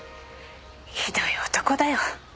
ひどい男だよ。